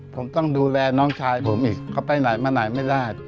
ผมต้องดูแลน้องชายผมอีกเขาไปไหนมาไหนไม่ได้